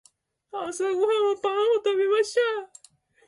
朝ごはんはパンを食べました。